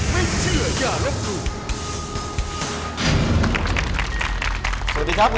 ไม่เชื่ออย่าระบุ